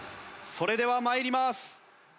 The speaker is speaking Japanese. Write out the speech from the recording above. それでは参ります。